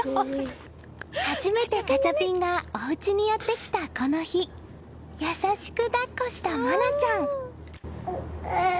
初めてガチャピンがおうちにやってきたこの日優しく抱っこした愛菜ちゃん。